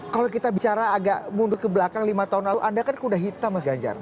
kalau kita bicara agak mundur ke belakang lima tahun lalu anda kan kuda hitam mas ganjar